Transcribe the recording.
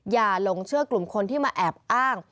หลงเชื่อกลุ่มคนที่มาแอบอ้าง